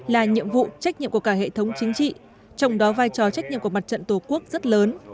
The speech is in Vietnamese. là nhiệm vụ trách nhiệm của cả hệ thống chính trị trong đó vai trò trách nhiệm của mặt trận tổ quốc rất lớn